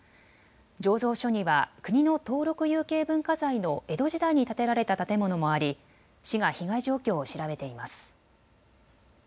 醸造所には国の登録有形文化財の江戸時代に建てられた建物もあり市が被害状況を調べています。